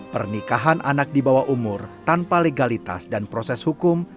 pernikahan anak di bawah umur tanpa legalitas dan proses hukum